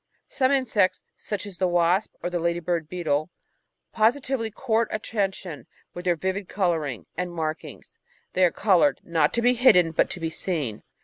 Some insects, such as the Wasp or the Lady Bird beetle, positively court attention with their vivid colouring and markings; they are coloured, not to be hidden, but to be seen.